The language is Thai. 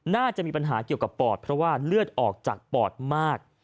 น่าจะมีปัญหาเกี่ยวกับปอดเพราะว่าเลือดออกจากปอดมาก